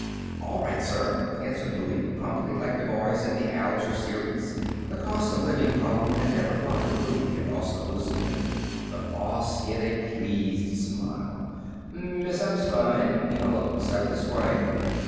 "All right, sir," answered Louie, promptly, like the boys in the Alger series. The cost of living problem had never bothered Louie in Oskaloosa. The boss hid a pleased smile. "Miss Epstein!" he bellowed, "step this way!